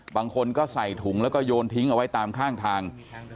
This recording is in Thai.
บางคนก็ใส่ถุงแล้วก็โยนทิ้งเอาไว้ตามข้างทาง